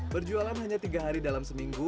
berjualan hanya tiga hari dalam seminggu